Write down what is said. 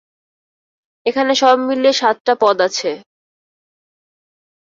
এখানে সব মিলিয়ে সাতটা পদ আছে!